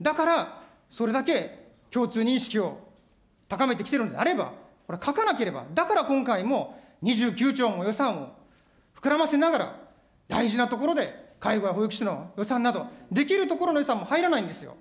だから、それだけ共通認識を高めてきてるんであれば、これは書かなければ、だから今回も、２９兆も予算を膨らませながら、大事なところで介護士や保育士などのできるところの予算も入らないんですよ。